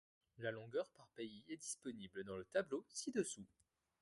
La longueur par pays est disponible dans le tableau ci-dessous.